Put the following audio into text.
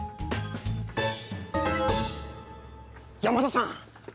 山田さん！